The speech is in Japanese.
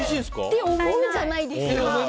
と、思うじゃないですか。